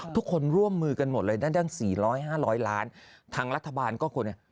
ทุกคนร่วมมือกันหมดเลยด้านด้านสี่ร้อยห้าร้อยล้าน